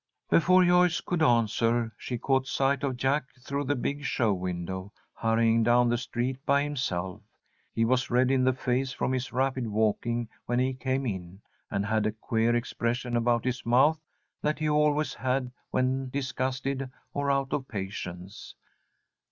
Before Joyce could answer, she caught sight of Jack, through the big show window, hurrying down the street by himself. He was red in the face from his rapid walking when he came in, and had a queer expression about his mouth that he always had when disgusted or out of patience.